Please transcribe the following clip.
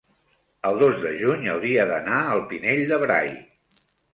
el dos de juny hauria d'anar al Pinell de Brai.